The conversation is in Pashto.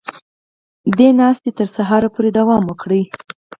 دې ناستې تر سهاره پورې دوام وکړ